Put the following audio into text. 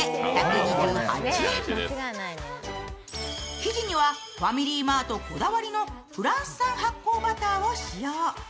生地にはファミリーマートこだわりのフランス産発酵バターを使用。